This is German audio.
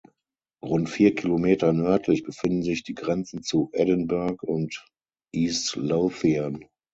Rund vier Kilometer nördlich befinden sich die Grenzen zu Edinburgh und East Lothian.